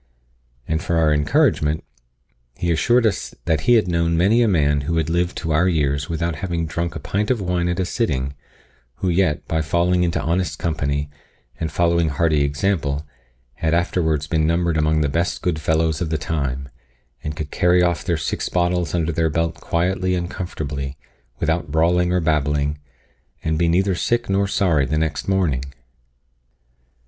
And for our encouragement, he assured us that he had known many a man who had lived to our years without having drunk a pint of wine at a sitting, who yet, by falling into honest company, and following hearty example, had afterwards been numbered among the best good fellows of the time, and could carry off their six bottles under their belt quietly and comfortably, without brawling or babbling, and be neither sick nor sorry the next morning.